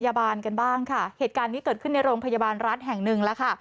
พยาบาลกันบ้างค่ะเหตุการณ์นี้เกิดขึ้นในโรงพยาบาลรัฐแห่งหนึ่งแล้วค่ะ